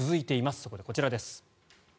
そこでこちらです。